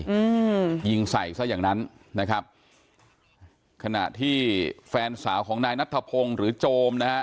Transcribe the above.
อืมยิงใส่ซะอย่างนั้นนะครับขณะที่แฟนสาวของนายนัทธพงศ์หรือโจมนะฮะ